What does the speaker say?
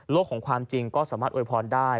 ของความจริงก็สามารถอวยพรได้